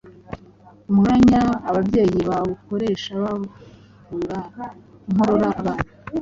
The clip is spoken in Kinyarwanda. umwenya ababyeyi bawukoresha bavura inkorora abana